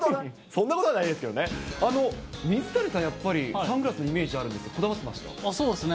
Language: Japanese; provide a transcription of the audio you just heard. そんなことはないですけどね、水谷さん、やっぱりサングラスのイメージあるんですが、どうですか。